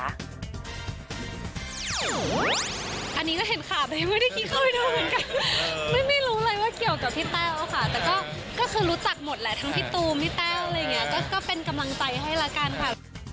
อันนี้ก็เห็นข่าวแบบนี้ไม่ได้คิดเข้าไปดูเหมือนกันไม่รู้เลยว่าเกี่ยวกับพี่แต้วค่ะแต่ก็คือรู้จักหมดแหละทั้งพี่ตูมพี่แต้วอะไรอย่างนี้ก็เป็นกำลังใจให้ละกันค่ะ